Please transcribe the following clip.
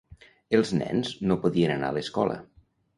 Els nens no podien anar a escola.